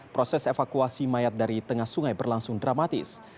proses evakuasi mayat dari tengah sungai berlangsung dramatis